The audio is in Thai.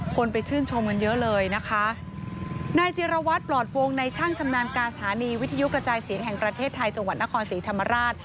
คนไปชื่นชมกันเยอะเลยนะคะนายจิรวัตรปลอดวงในช่างชำนาญการสถานีวิทยุกระจายเสียงแห่งประเทศไทยจังหวัดนครศรีธรรมราช